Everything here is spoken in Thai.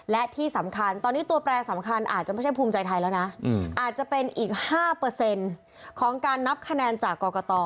และที่สำคัญตอนนี้ตัวแปรสำคัญอาจจะไม่ใช่ภูมิใจไทยแล้วนะอาจจะเป็นอีก๕ของการนับคะแนนจากกรกต